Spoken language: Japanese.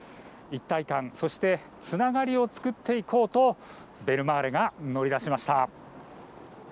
一体感そしてつながりを作っていこうとベルマーレが乗り出しました。